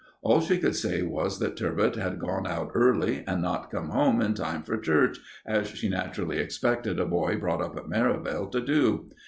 All she could say was that "Turbot" had gone out early, and not come home in time for church, as she naturally expected a boy brought up at Merivale to do.